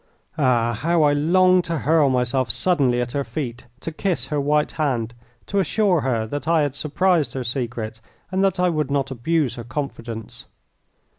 Ah! how I longed to hurl myself suddenly at her feet, to kiss her white hand, to assure her that I had surprised her secret and that I would not abuse her confidence.